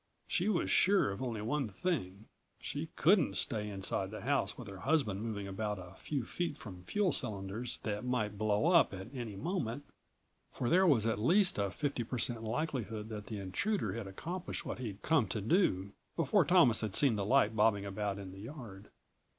She was sure of only one thing. She couldn't stay inside the house with her husband moving about a few feet from fuel cylinders that might blow up at any moment, for there was at least a fifty percent likelihood that the intruder had accomplished what he'd come to do, before Thomas had seen the light bobbing about in the yard.